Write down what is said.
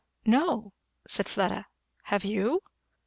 "No," said Fleda. "Have you?"